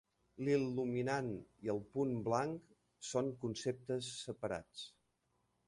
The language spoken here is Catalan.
L"il·luminant i el punt blanc són conceptes separats.